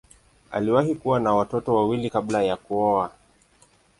Aliwahi kuwa na watoto wawili kabla ya kuoa.